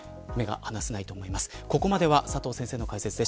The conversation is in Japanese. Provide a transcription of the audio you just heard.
目が離せないと思います。